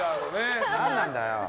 何なんだよ。